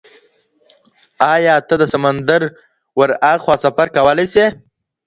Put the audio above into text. ایا ته د سمندر ور اخوا سفر کولای شې؟